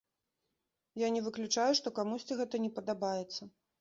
Я не выключаю, што камусьці гэта не падабаецца.